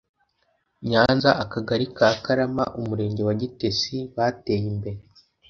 Nyanza Akagari Karama Umurenge wa gitesi bateye imbere